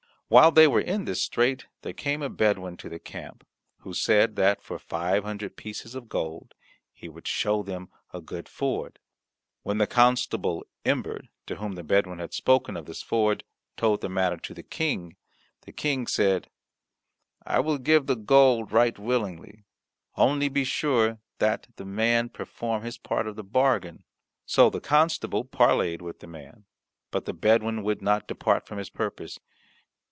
While they were in this strait there came a Bedouin to the camp, who said that for five hundred pieces of gold he would show them a good ford. When the Constable Imbert, to whom the Bedouin had spoken of this ford, told the matter to the King, the King said, "I will give the gold right willingly; only be sure that the man perform his part of the bargain." So the constable parleyed with the man; but the Bedouin would not depart from his purpose.